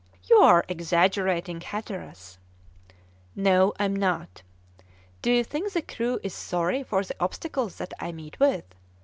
"You are exaggerating, Hatteras." "No, I am not. Do you think the crew is sorry for the obstacles that I meet with?